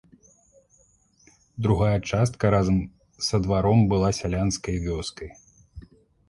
Другая частка разам са дваром была сялянскай вёскай.